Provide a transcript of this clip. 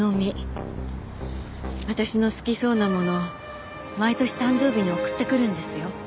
私の好きそうなものを毎年誕生日に送ってくるんですよ。